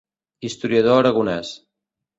Historiador aragonès.